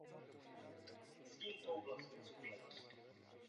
Rozhořčení kvůli nárůstu cen mléka není na místě.